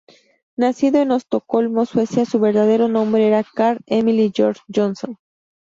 Nacido en Estocolmo, Suecia, su verdadero nombre era Karl Emil Georg Johnson.